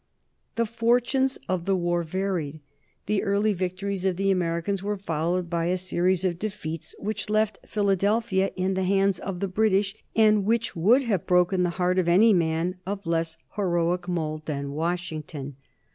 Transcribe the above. The fortunes of the war varied. The early victories of the Americans were followed by a series of defeats which left Philadelphia in the hands of the British, and which would have broken the heart of any man of less heroic mould than Washington.